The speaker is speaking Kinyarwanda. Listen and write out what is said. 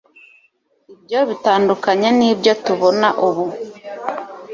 ibyo bitandukanye nibyo tubona ubu